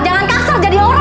jangan kasar jadi orang